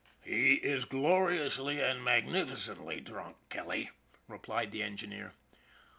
" He is gloriously and magnificently drunk, Kelly," replied the engineer.